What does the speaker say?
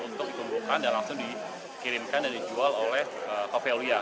untuk dikumpulkan dan langsung dikirimkan dan dijual oleh covelia